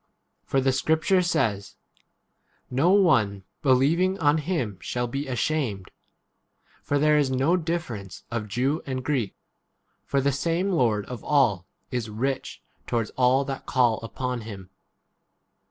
For the scrip ture says, No one believing on 12 him shall be ashamed. For there is no difference of Jew and Greek ; for the same Lord of all [is] rich towards all that call upon him.